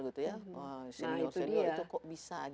senior senior itu kok bisa